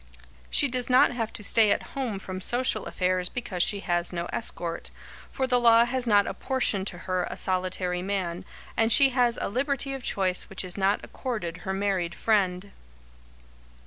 She does not have to stay at home from social affairs because she has no escort, for the law has not apportioned to her a solitary man, and she has a liberty of choice which is not accorded her married friend.